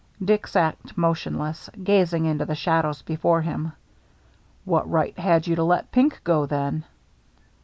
Dick sat motionless, gazing into the shadows before him. " What right had you to let Pink go, then